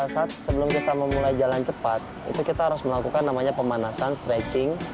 saat sebelum kita memulai jalan cepat itu kita harus melakukan namanya pemanasan stretching